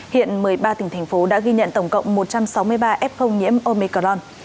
hiện một mươi ba tỉnh thành phố đã ghi nhận tổng cộng một trăm sáu mươi ba f nhiễm omicron